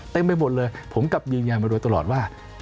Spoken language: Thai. ไปหมดเลยผมกลับยืนยันมาโดยตลอดว่า